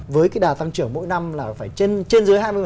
với cái đà tăng trưởng mỗi năm là phải trên dưới hai mươi